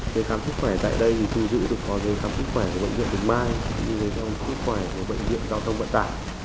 giấy khám sức khỏe tại đây thì thu giữ được có giấy khám sức khỏe của bệnh viện thực mai giấy khám sức khỏe của bệnh viện cao thông bệnh tải